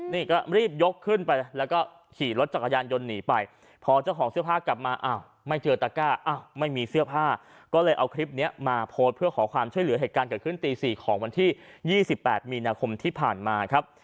นี่ก็รีบยกขึ้นไปแล้วก็ขี่รถจักรยานยนต์หนีไปพอเจ้าของเสื้อผ้ากลับมาอ้าวไม่เจอตะก้าอ้าวไม่มีเสื้อผ้าก็เลยเอาคลิปนี้มาโพสต์เพื่อขอความช่วยเหลือเหตุการณ์เกิดขึ้นตี๔ของวันที่๒๘มีนาคมที่ผ่านมาครับ